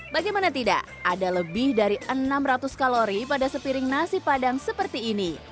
bagaimana tidak ada lebih dari enam ratus kalori pada sepiring nasi padang seperti ini